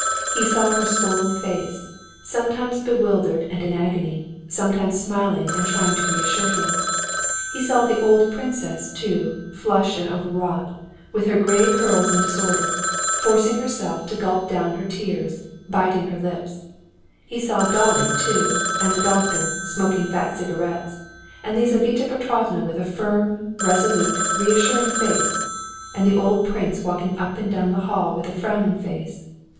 He saw her swollen face, sometimes bewildered and in agony, sometimes smiling and trying to reassure him. He saw the old princess too, flushed and overwrought, with her gray curls in disorder, forcing herself to gulp down her tears, biting her lips; he saw Dolly too and the doctor, smoking fat cigarettes, and Lizaveta Petrovna with a firm, resolute, reassuring face, and the old prince walking up and down the hall with a frowning face.